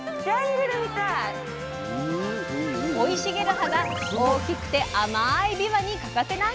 生い茂る葉が大きくて甘いびわに欠かせないんだとか。